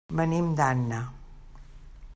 Venim d'Anna.